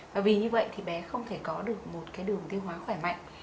và vì như vậy thì bé không thể có được một cái đường tiêu hóa khỏe mạnh